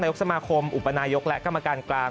สมาคมอุปนายกและกรรมการกลาง